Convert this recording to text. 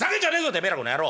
てめえらこの野郎。